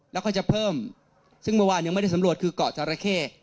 แล้วก็จะเพิ่มซึ่งเมื่อวานยังไม่ได้สำรวจคือเกาะจราเข้